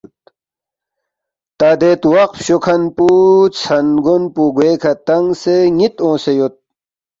تا دے تواق فچوکھن پو ژھن گون پو گوے کھہ تنگسے نِ٘ت اونگسے یود